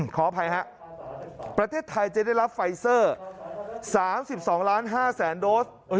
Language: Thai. ขออภัยครับประเทศไทยจะได้รับไฟซอร์๓๒๕๐๐๐๐๐โดส